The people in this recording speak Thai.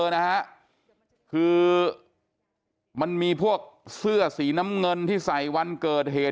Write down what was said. นะฮะคือมันมีพวกเสื้อสีน้ำเงินที่ใส่วันเกิดเหตุ